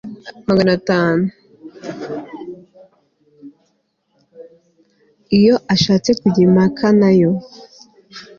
iyo ashatse kujya impaka na yo